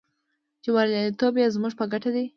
چې بریالیتوب یې زموږ په ګټه دی.